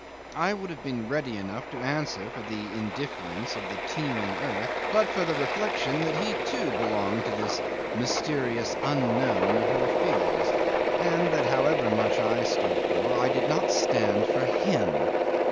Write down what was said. I would have been ready enough to answer for the indifference of the teeming earth but for the reflection that he too belonged to this mysterious unknown of her fears, and that, however much I stood for, I did not stand for him.